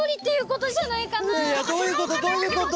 いやいやどういうことどういうこと？